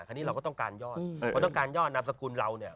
คราวนี้เราก็ต้องการยอดเพราะต้องการยอดนามสกุลเราเนี่ย